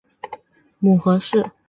母何氏。